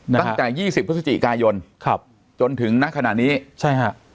ตั้งแต่ยี่สิบพฤศจิกายนครับจนถึงณขณะนี้ใช่ฮะ